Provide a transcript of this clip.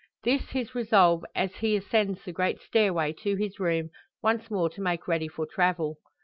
This his resolve as he ascends the great stairway to his room, once more to make ready for travel.